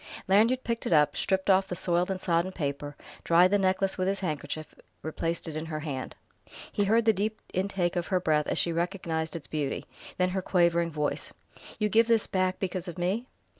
Lanyard picked it up, stripped off the soiled and sodden paper, dried the necklace with his handkerchief, replaced it in her hand. He heard the deep intake of her breath as she recognized its beauty, then her quavering voice: "You give this back because of me...!"